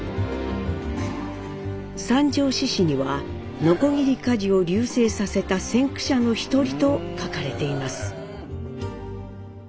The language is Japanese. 三条市史には鋸鍛冶を隆盛させた先駆者の一人と書かれています。